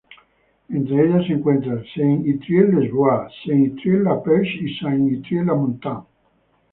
Entre ellas se encuentran Saint-Yrieix-les-Bois, Saint-Yrieix-la-Perche y Saint-Yrieix-la-Montagne.